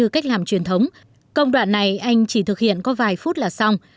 cách làm truyền thống công đoạn này anh chỉ thực hiện có vài phút là xong